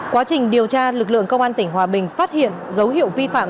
quá trình điều tra lực lượng công an tp hcm phát hiện dấu hiệu vi phạm